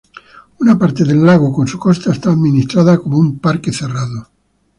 Una parte del lago con su costa es administrada como un parque cerrado.